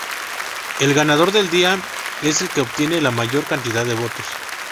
El ganador del día es el que obtiene la mayor cantidad de votos.